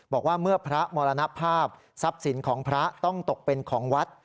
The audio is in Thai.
บอกว่าเมื่อพระมรณภาพทรัพย์สินของพระต้องตกเป็นของวัด